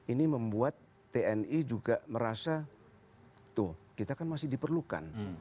ini membuat tni juga merasa tuh kita kan masih diperlukan